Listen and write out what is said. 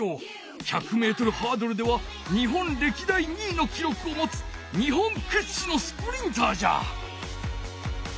１００ｍハードルでは日本れきだい２位のきろくをもつ日本くっしのスプリンターじゃ！